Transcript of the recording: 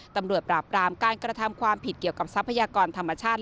ตำรวจปราบรามการกระทำความผิดเกี่ยวกับทรัพยากรธรรมชาติ